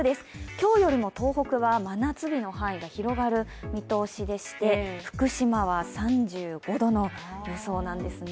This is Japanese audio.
今日よりも東北は真夏日の範囲が広がる見通しでして福島は３５度の予想なんですね。